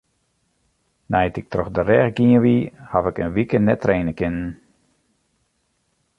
Nei't ik troch de rêch gien wie, haw ik in wike net traine kinnen.